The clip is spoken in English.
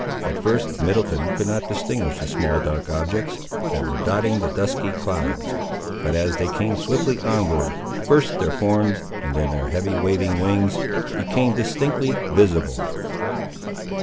At first Middleton could not distinguish the small dark objects, that were dotting the dusky clouds, but as they came swiftly onward, first their forms, and then their heavy waving wings, became distinctly visible.